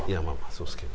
そうですけど。